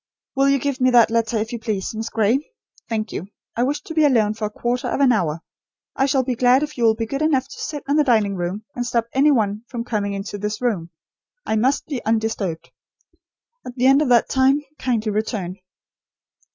"Will you give me that letter, if you please, Miss Gray? Thank you. I wish to be alone for a quarter of an hour. I shall be glad if you will be good enough to sit in the dining room, and stop any one from coming into this room. I must be undisturbed. At the end of that time kindly return."